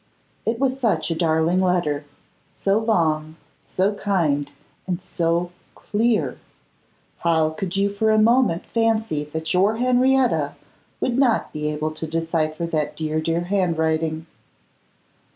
It was such a darling letter, so long, so kind, and so clear. How could you for a moment fancy that your Henrietta would not be able to decipher that dear, dear handwriting!